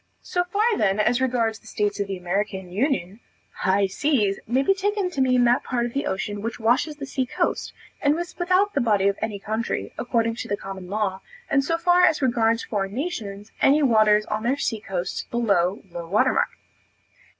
So far then as regards the states of the American union, "high seas," may be taken to mean that part of the ocean which washes the sea coast, and is without the body of any country, according to the common law; and so far as regards foreign nations, any waters on their sea coasts, below low water mark.